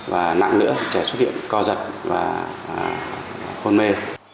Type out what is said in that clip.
và nặng nữa trẻ xuất hiện co giật và hôn mê